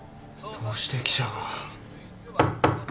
どうして記者が。